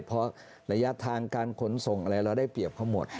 เพราะระยะทางการขนส่งอะไรเราได้เปรียบเขาหมด